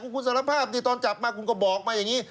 คุณสารภาพที่ตอนจับมาคุณก็บอกมาอย่างนี้